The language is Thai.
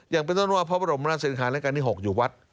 อย่างเป็นต้นว่าพระบรมราชินาและการที่๖อยู่วัด